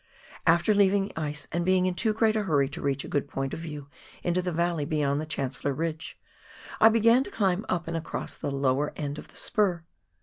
After leaving the ice, and being in too great a hurry to reach a good point of view into the valley beyond the Chancellor Ridge, I began to climb up and across the lower end of the spur.